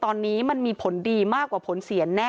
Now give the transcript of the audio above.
ก็คือเป็นการสร้างภูมิต้านทานหมู่ทั่วโลกด้วยค่ะ